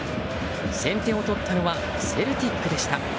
先手を取ったのはセルティックでした。